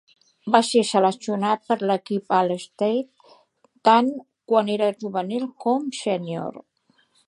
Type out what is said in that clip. Va ser seleccionat per a l'equip All-State tant quan era juvenil com sènior.